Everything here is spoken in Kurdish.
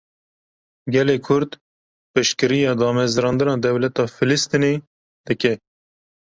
Gelê Kurd, piştgiriya damezrandina dewleta Filistînê dike